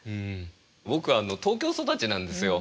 僕は東京育ちなんですよ。